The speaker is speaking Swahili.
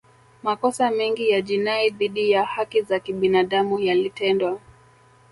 Makosa mengi ya jinai dhidi ya haki za kibinadamu yalitendwa